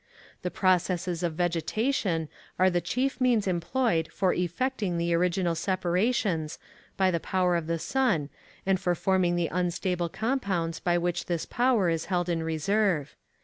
The processes of vegetation are the chief means employed for effecting the original separations, by the power of the sun, and for forming the unstable compounds by which this power is held in reserve.